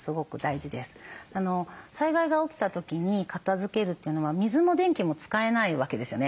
災害が起きた時に片づけるというのは水も電気も使えないわけですよね。